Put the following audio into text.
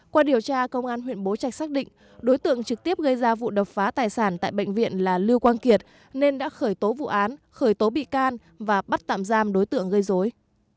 qua điều tra công an huyện bố trạch xác định đối tượng trực tiếp gây ra vụ đập phá tài sản tại bệnh viện là lưu quang kiệt nên đã khởi tố vụ án khởi tố bị can và bắt tạm giam đối tượng gây dối